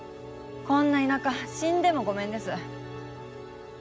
こんな田舎死んでもごめんです。